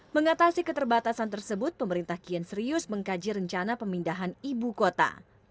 mengatasi keterbatasan tersebut pemerintah kian serius mengkaji rencana pemindahan ibu kota